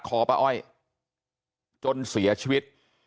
ครับคุณสาวทราบไหมครับ